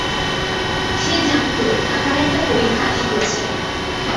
সে জানিত তাহার একটা পরীক্ষা আসিতেছে।